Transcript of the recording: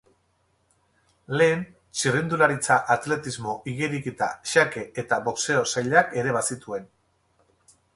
Lehen txirrindularitza, atletismo, igeriketa, xake eta boxeo sailak ere bazituen.